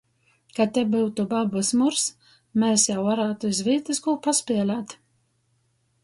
Ka te byutu babys Murs, mes jau varātu iz vītys kū paspielēt.